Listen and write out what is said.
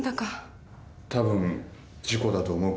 たぶん事故だと思うけど。